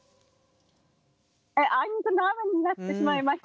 あいにくの雨になってしまいまして。